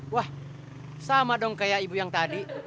wah sama dong kayak ibu yang tadi